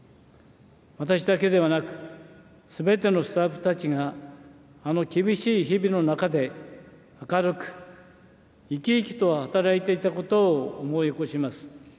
私だけではなく、すべてのスタッフたちが、あの厳しい日々の中で、明るく生き生きと働いていたことを思い起こします。